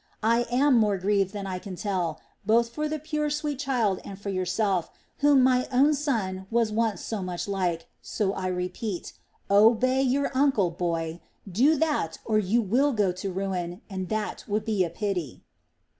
I am more grieved than I can tell, both for the pure, sweet child and for yourself, whom my own son was once so much like, so I repeat: Obey your uncle, boy! Do that, or you will go to ruin, and that would be a pity!"